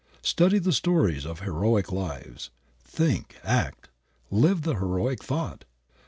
Study the stories of heroic lives; think, act, live, the heroic thought.